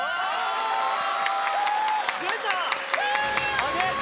出た！